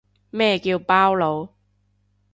咩叫包佬